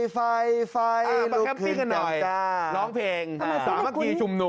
ปะแก๊ปปี้กันหน่อยร้องเพลงสามารถกีลชุ่มนุ่ม